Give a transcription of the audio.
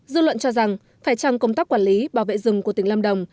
dư luận cho rằng phải chăng công tác quản lý bảo vệ rừng của tỉnh lâm đồng